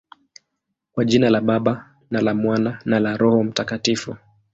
Kwa jina la Baba, na la Mwana, na la Roho Mtakatifu.